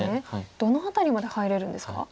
どの辺りまで入れるんですか？